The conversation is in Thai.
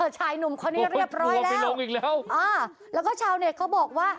ชายหนุ่มคนนี้เรียบร้อยแล้วอ้าแล้วก็ชาวเนี้ยเขาบอกว่า